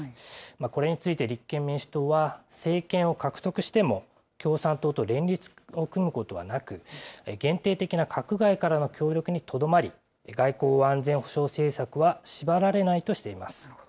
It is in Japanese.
これについて立憲民主党は、政権を獲得しても、共産党と連立を組むことはなく、限定的な閣外からの協力にとどまり、外交・安全保障政策は縛られないとしています。